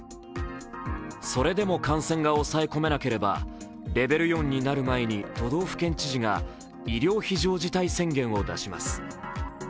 それでも感染が抑え込めなければレベル４になる前に都道府県知事が医療非常事態宣言を出します。